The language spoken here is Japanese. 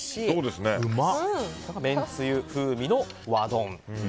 めんつゆ風味の和丼。